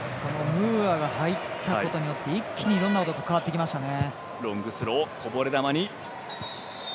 ムーアが入ったことによって一気にいろんなことが変わってきましたね。